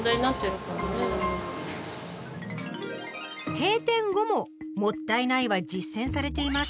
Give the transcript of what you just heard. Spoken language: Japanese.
閉店後も「もったいない」は実践されています。